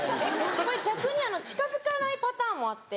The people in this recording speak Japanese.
これ逆に近づかないパターンもあって。